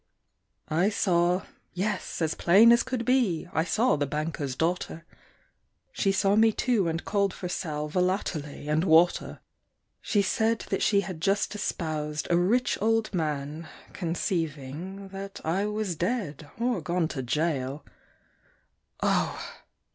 I saw yes, as plain as could be, I saw the banker's daughter; She saw me, too, and called for sal Volatile and water. She said that she had just espoused A rich old man, conceiving That I was dead or gone to gaol: Oh!